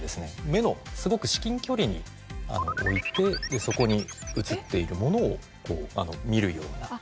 目のすごく至近距離に置いてそこに映っているものを見るような。